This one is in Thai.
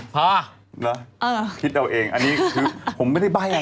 ฮะเหรอคิดเอาเองอันนี้คือผมไม่ได้ใบ้อะไร